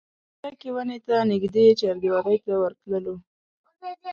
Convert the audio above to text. مبارکې ونې ته نږدې چاردیوالۍ ته ورتللو.